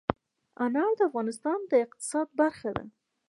انار د افغانستان د اقتصاد برخه ده.